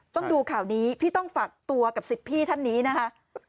ต้องดูข่าวนี้พี่ต้องฝากตัวกับ๑๐พี่ท่านนี้นะคะ